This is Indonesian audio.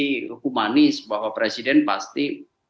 hukumanis bahwa presiden pasti